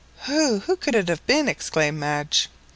"Who, who could it have been?" exclaimed Madge.